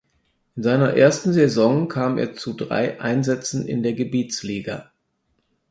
In seiner ersten Saison kam er zu drei Einsätzen in der "Gebietsliga".